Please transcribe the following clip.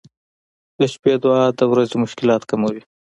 • د شپې دعا د ورځې مشکلات کموي.